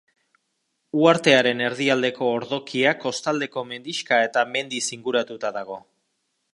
Uhartearen erdialdeko ordokia kostaldeko mendixka eta mendiz inguratuta dago.